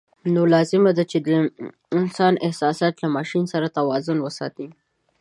نو لازم ده چې د انسان احساسات له ماشین سره توازن وساتي.